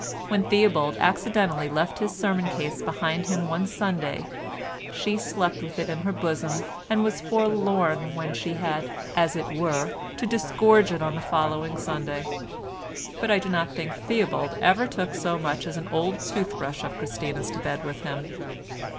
When Theobald accidentally left his sermon case behind him one Sunday, she slept with it in her bosom and was forlorn when she had as it were to disgorge it on the following Sunday; but I do not think Theobald ever took so much as an old toothbrush of Christina's to bed with him.